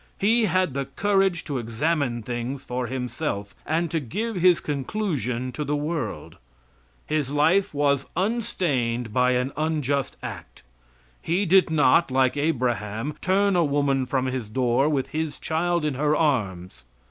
He had the courage to examine things for himself, and to give his conclusion to the world. His life was unstained by an unjust act. He did not, like Abraham, turn a woman from his door with his child in her arms.